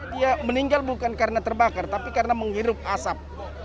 dia meninggal bukan karena terbakar tapi karena menghirup asap